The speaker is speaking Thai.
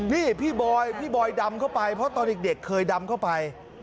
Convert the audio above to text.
นี่พี่บอยพี่บอยดำเข้าไปเพราะตอนเด็กเคยดำเข้าไป